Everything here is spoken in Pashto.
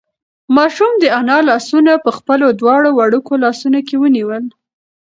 ماشوم د انا لاسونه په خپلو دواړو وړوکو لاسونو کې ونیول.